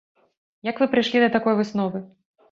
Як вы прыйшлі да такой высновы?